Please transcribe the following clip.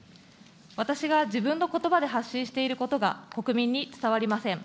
私が自分のことばで発信していることが、国民に伝わりません。